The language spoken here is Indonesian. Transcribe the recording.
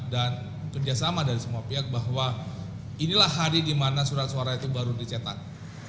dan kerjasama dari semua pihak bahwa inilah hari di mana surat suara itu baru dicetak